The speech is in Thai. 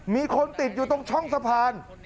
มีคนติดอยู่ตรงช่องสะพาน